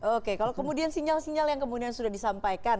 oke kalau kemudian sinyal sinyal yang kemudian sudah disampaikan